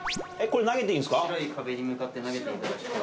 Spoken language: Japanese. これ投げていいんすか？